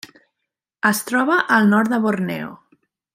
Es troba al nord de Borneo.